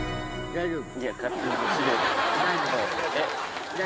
大丈夫